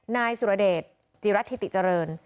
นายสุรเดชจิรัฐธิติเจริญ